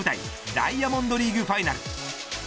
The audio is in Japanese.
ダイヤモンドリーグ・ファイナル。